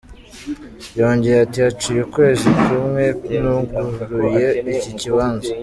Yongeye ati: "Haciye ukwezi kumwe nuguruye iki kibanza.